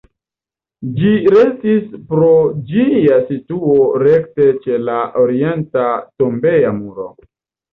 Ĝi restis pro ĝia situo rekte ĉe la orienta tombeja muro.